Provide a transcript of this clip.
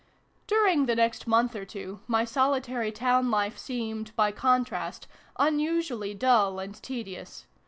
DURING the next month or two my solitary town life seemed, by contrast, unusually dull and tedious.